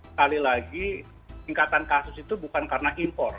sekali lagi tingkatan kasus itu bukan karena impor